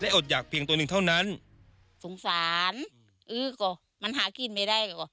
และอดหยักเพียงตัวหนึ่งเท่านั้นสงสารมันหากินไปได้